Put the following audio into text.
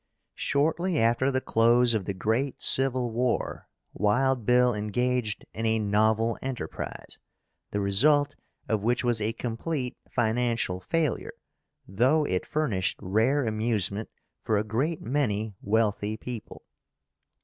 Shortly after the close of the great civil war Wild Bill engaged in a novel enterprise, the result of which was a complete financial failure, though it furnished rare amusement for a great many wealthy people.